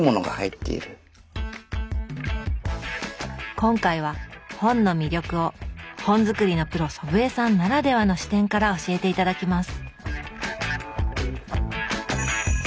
今回は本の魅力を本づくりのプロ祖父江さんならではの視点から教えて頂きます。